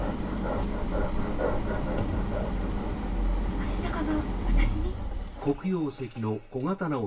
アシタカが私に？